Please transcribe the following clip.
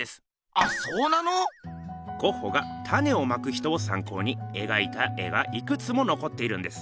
あっそうなの⁉ゴッホが「種をまく人」をさんこうに描いた絵がいくつものこっているんです。